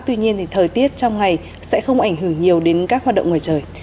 tuy nhiên thời tiết trong ngày sẽ không ảnh hưởng nhiều đến các hoạt động ngoài trời